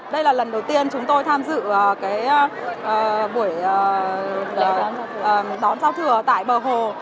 đây là lần đầu tiên chúng tôi tham dự buổi lễ đón giao thừa tại bờ hồ